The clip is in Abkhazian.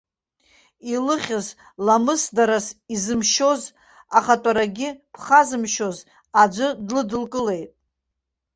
Илыхьыз ламысдарас изымшьоз, ахатәарагьы ԥхазымшьоз аӡәы длыдылкылеит.